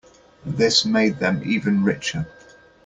This made them even richer.